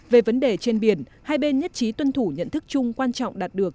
về vấn đề trên biển hai bên nhất trí tuân thủ nhận thức chung quan trọng đạt được